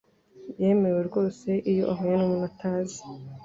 Yemewe rwose iyo ahuye numuntu utazi.